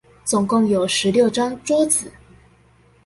總共有十六張桌子